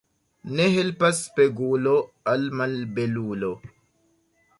Ne helpas spegulo al malbelulo.